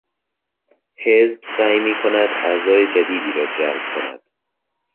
حزب سعی میکند اعضای جدیدی را جلب کند.